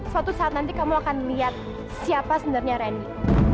suatu saat nanti kamu akan lihat siapa sebenarnya randy